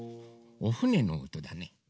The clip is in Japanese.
おふねのおとだね。